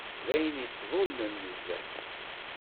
D ayen yettḍulen nezzeh